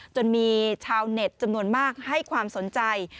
จนมีชาวเน็ตจำนวนมากให้ความสนใจ